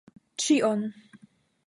Ĉion!